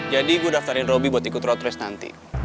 jadi gue daftarin robby buat ikut road race nanti